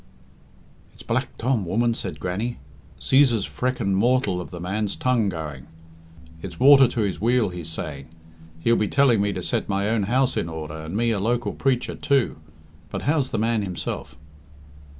"It's Black Tom, woman," said Grannie. "Cæsar's freckened mortal of the man's tongue going. 'It's water to his wheel,' he's saying. 'He'll be telling me to set my own house in order, and me a local preacher, too.' But how's the man himself?"